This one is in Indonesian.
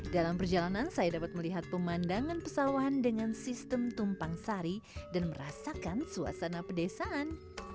dalam perjalanan saya dapat melihat pemandangan pesawahan dengan sistem tumpang sari dan merasakan suasana pedesaan